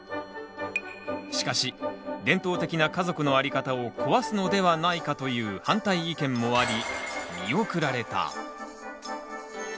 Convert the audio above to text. しかし伝統的な家族のあり方を壊すのではないかという反対意見もあり見送られた。